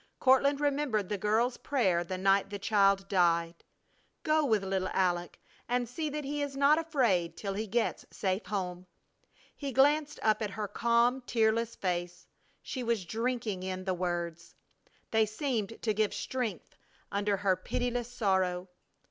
Courtland remembered the girl's prayer the night the child died: "Go with little Aleck and see that he is not afraid till he gets safe home." He glanced up at her calm, tearless face. She was drinking in the words. They seemed to give strength under her pitiless sorrow.